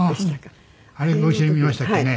あれご一緒に見ましたっけね。